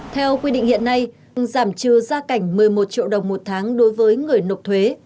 theo quy định hiện nay giảm trừ gia cảnh một mươi một triệu đồng một tháng đối với người nộp thuế